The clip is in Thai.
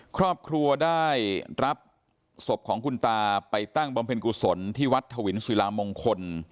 ครอบครัวได้รับศพของคุณตาไปตั้งบำเพ็ญกุศลที่วัดถวินศิลามงคล